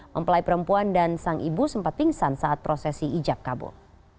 mempelai perempuan dan sang ibu sempat pingsan saat prosesi ijab kabur